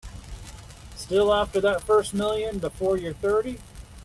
Still after that first million before you're thirty.